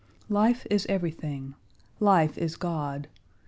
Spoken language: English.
"Life is everything. Life is God.